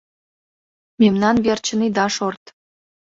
Мемнан верчын ида шорт.